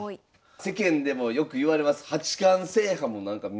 世間でもよくいわれます